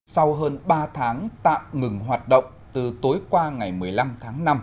sau hơn ba tháng tạm ngừng hoạt động từ tối qua ngày một mươi năm tháng năm